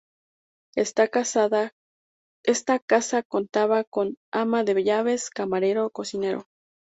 Esta casa contaba con ama de llaves, camarero, cocinero...